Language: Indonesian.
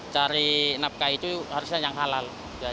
cari napkah itu harusnya yang halal